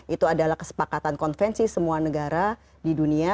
itu adalah kesepakatan konvensi semua negara di dunia